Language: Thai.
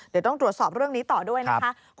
เดี๋ยวต้องตรวจสอบเรื่องนี้ต่อด้วยนะคะ